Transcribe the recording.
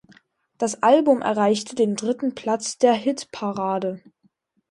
Das Album erreichte den dritten Platz der Hitparade.